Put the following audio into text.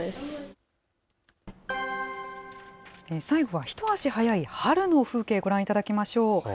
最後はひと足早い春の風景、ご覧いただきましょう。